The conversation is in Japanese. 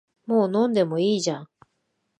もう飲んでもいいじゃん